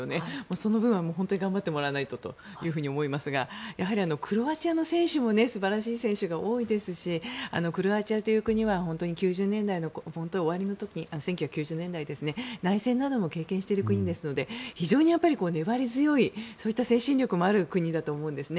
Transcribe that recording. その分は本当に頑張ってもらわないとと思いますがクロアチアの選手も素晴らしい選手が多いですしクロアチアという国は９０年代の終わりの時内戦なども経験している国ですので非常に粘り強い精神力もある選手だと思うんですね。